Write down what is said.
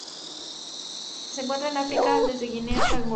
Se encuentran en África: desde Guinea hasta Angola.